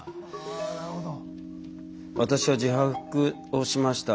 「私は自白をしました。